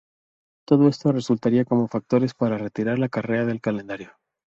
Todo esto resultaría como factores para retirar la carrera del calendario.